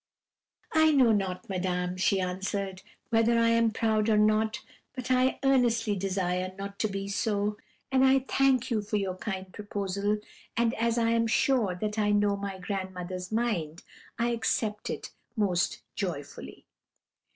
"'I know not, Madame,' she answered, 'whether I am proud or not, but I earnestly desire not to be so; and I thank you for your kind proposal, and as I am sure that I know my grandmother's mind, I accept it most joyfully.'